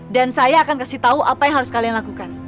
dan saya akan kasih tau apa yang harus kalian lakukan